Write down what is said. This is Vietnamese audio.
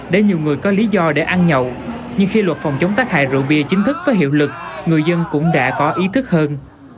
để nhiều người có lý do để ăn nhậu nhưng khi luật phòng chống tác hại rượu bia chính thức có hiệu lực người dân cũng đã có ý thức hơn